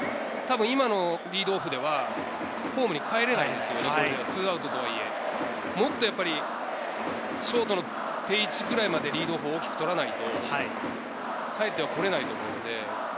たぶん今のリードオフではホームにかえれないんですよ、２アウトとはいえ、もっとやっぱりショートの定位置くらいまでリードが大きく取らないと、かえってはこれないと思うので。